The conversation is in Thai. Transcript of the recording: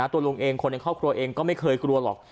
ตัวลุงเองคนในครอบครัวเองก็ไม่เคยกลัวหรอก